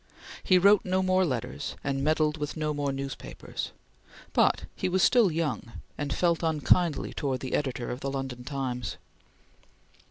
He wrote no more letters and meddled with no more newspapers, but he was still young, and felt unkindly towards the editor of the London Times.